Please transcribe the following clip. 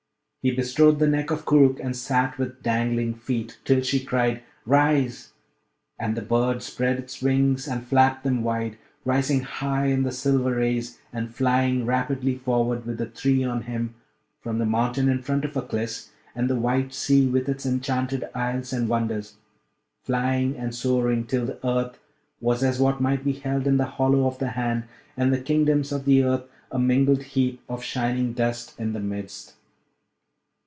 He bestrode the neck of Koorookh and sat with dangling feet, till she cried, 'Rise!' and the bird spread its wings and flapped them wide, rising high in the silver rays, and flying rapidly forward with the three on him from the mountain in front of Aklis, and the white sea with its enchanted isles and wonders; flying and soaring till the earth was as what might be held in the hollow of the hand, and the kingdoms of the earth a mingled heap of shining dust in the midst.